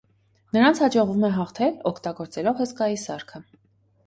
Նրանց հաջողվում է հաղթել՝ օգտագործելով հսկայի սարքը։